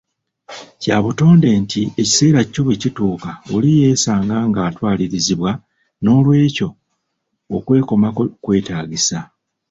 Kya butonde nti ekiseera kyo bwe kituuka oli yeesanga nga atwalirizibbwa, n'olwekyo okwekomako kwetaagisa.